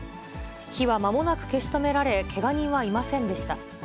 火はまもなく消し止められ、けが人はいませんでした。